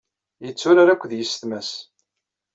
Yetturar akked yessetma-s.